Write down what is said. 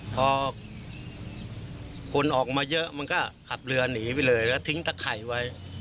พอคนออกมาเยอะมันก็ขับเรือหนีไปเลยแล้วทิ้งตะไข่ไว้